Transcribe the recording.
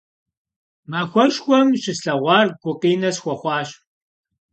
Махуэшхуэм щыслъэгъуар гукъинэ схуэхъуащ.